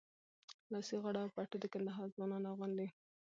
لاسي غاړه او پټو د کندهار ځوانان اغوندي.